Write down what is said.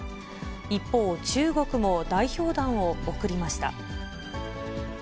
一方、中国も代表団を送りました。